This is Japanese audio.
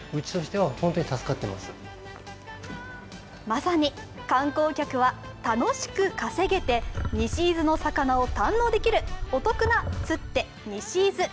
まさに観光客は楽しく稼げて西伊豆の魚を堪能できるお得なツッテ西伊豆。